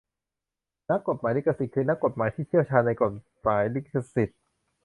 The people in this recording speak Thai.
นักกฎหมายลิขสิทธิ์ คือนักกฎหมายที่เชี่ยวชาญในกฎหมายลิขสิทธิ์